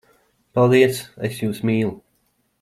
Paldies! Es jūs mīlu!